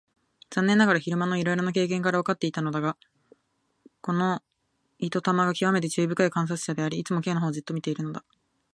残念ながら昼間のいろいろな経験からわかっていたのだが、この糸玉がきわめて注意深い観察者であり、いつでも Ｋ のほうをじっと見ているのだ。